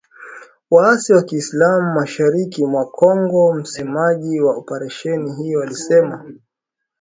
waasi wa kiislamu mashariki mwa Kongo msemaji wa operesheni hiyo alisema